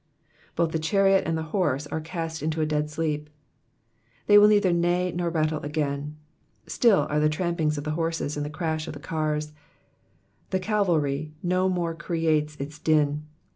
^^Both the chariot and horse are cast into a dead sleep,"* ^ They will neither neigh nor rattle again; still are the trampings of the horses and the crash of the cars ; the cavalry no more creates its din.